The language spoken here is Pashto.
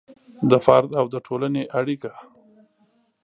د فرد او د ټولنې اړیکه